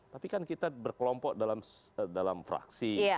tapi kan kita berkelompok dalam fraksi